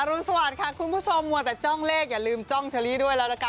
อรุณสวัสดีค่ะคุณผู้ชมมัวแต่ลองเลขอย่าลืมด้วยแล้วนะค่ะ